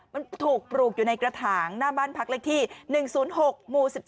มันถูกปลูกอยู่ในกระถางหน้าบ้านพักเลขที่๑๐๖หมู่๑๒